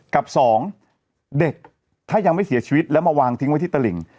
กับสองเด็กถ้ายังไม่เสียชีวิตแล้วมาวางทิ้งไว้ที่ตลิ่ง